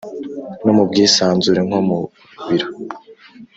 no mu bwisanzure nko mu biro.